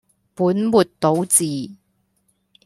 本末倒置